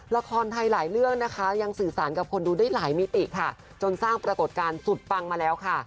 ละครไทยหลายเรื่องนะคะยังสื่อสารกับคนดูได้หลายมิติค่ะจนสร้างปรากฏการณ์สุดปังมาแล้วค่ะ